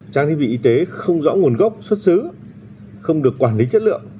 trang thiết bị y tế không rõ nguồn gốc xuất xứ không được quản lý chất lượng